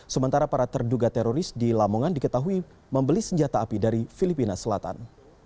sementara para terduga teroris di lamongan diketahui membeli senjata api dari filipina selatan